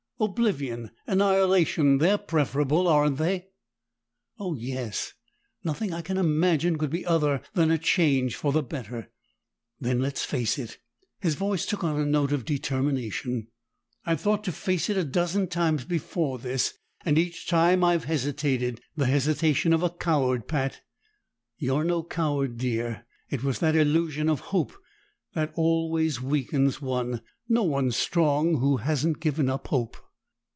Oblivion, annihilation they're preferable, aren't they?" "Oh, yes! Nothing I can imagine could be other than a change for the better." "Then let's face it!" His voice took on a note of determination. "I've thought to face it a dozen times before this, and each time I've hesitated. The hesitation of a coward, Pat." "You're no coward, dear. It was that illusion of hope; that always weakens one. No one's strong who hasn't given up hope."